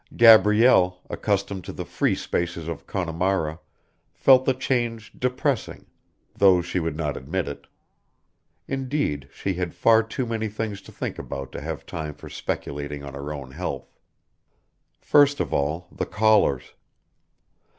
Gabrielle, accustomed to the free spaces of Connemara, felt the change depressing, though she would not admit it; indeed, she had far too many things to think about to have time for speculating on her own health. First of all the callers.